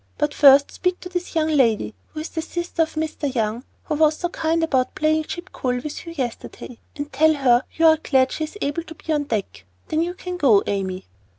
But first speak to this young lady, who is the sister of Mr. Young, who was so kind about playing ship coil with you yesterday, and tell her you are glad she is able to be on deck. Then you can go, Amy."